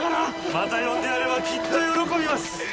また呼んでやればきっと喜びます。